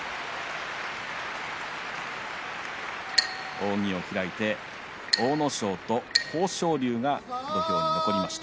扇を開いて阿武咲と豊昇龍が土俵に残りました。